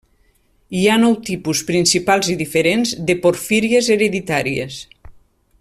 Hi ha nou tipus principals i diferents de porfíries hereditàries.